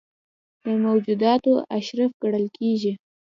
د موجوداتو اشرف ګڼل کېږي.